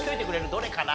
「どれかな？」